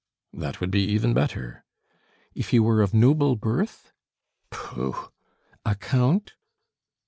"That would be even better." "If he were of noble birth?" "Pooh!" "A Count."